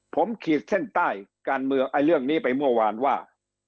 ผมขีดเส้นใต้เรื่องนี้ไปเมื่อวานว่า